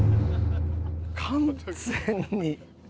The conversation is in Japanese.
完全に。